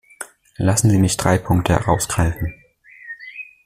Lassen Sie mich drei Punkte herausgreifen.